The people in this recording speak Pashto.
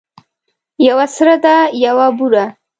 یوه سره ده یوه بوره.